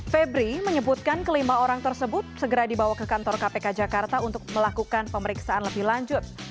febri menyebutkan kelima orang tersebut segera dibawa ke kantor kpk jakarta untuk melakukan pemeriksaan lebih lanjut